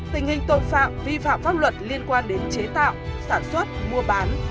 tình hình tội phạm vi phạm pháp luật liên quan đến chế tạo sản xuất mua bán